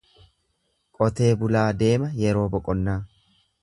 Qotee bulaa deema yeroo boqonnaa.